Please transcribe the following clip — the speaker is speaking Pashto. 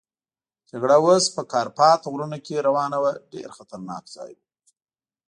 جګړه اوس په کارپات غرونو کې روانه وه، ډېر خطرناک ځای وو.